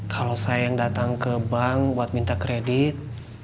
kalau saya yang datang ke bank buat minta kredit